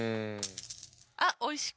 あっおいしく。